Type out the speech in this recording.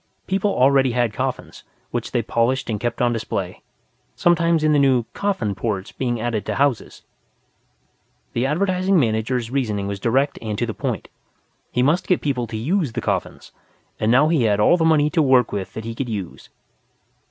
People already had coffins, which they polished and kept on display, sometimes in the new "Coffin ports" being added to houses. The Advertising Manager's reasoning was direct and to the point. He must get people to use the coffins; and now he had all the money to work with that he could use.